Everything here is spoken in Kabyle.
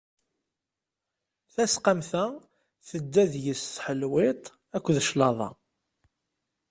Tasqamt-a tedda deg-s tḥelwiḍt akked claḍa.